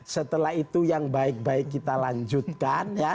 setelah itu yang baik baik kita lanjutkan ya